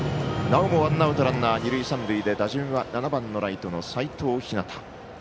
なおもワンアウトランナー、二塁三塁で打順は７番のライトの齋藤陽。